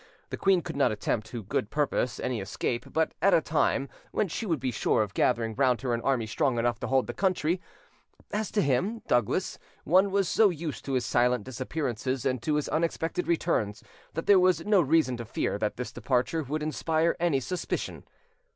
The queen could not attempt to good purpose any escape but at a time when she would be sure of gathering round her an army strong enough to hold the country; as to him, Douglas, one was so used to his silent disappearances and to his unexpected returns, that there was no reason to fear that his departure would inspire any suspicion.